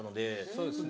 そうですね。